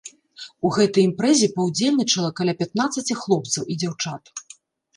У гэтай імпрэзе паўдзельнічала каля пятнаццаці хлопцаў і дзяўчат.